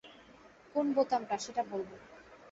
কোন বোতামটা, সেটা বলবো।